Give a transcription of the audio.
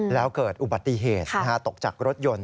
แล้วเกิดอุบัติเหตุตกจากรถยนต์